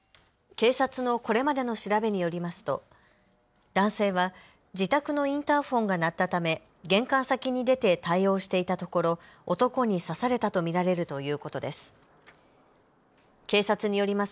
警察のこれまでの調べによりますと男性は自宅のインターフォンが鳴ったため玄関先に出て対応していたところ男に刺されたと見られるということです。